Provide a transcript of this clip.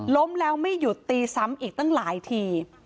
ล้มแล้วไม่หยุดตีซ้ำอีกตั้งหลายที